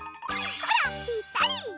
ほらぴったり！